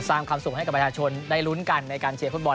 ความสุขให้กับประชาชนได้ลุ้นกันในการเชียร์ฟุตบอล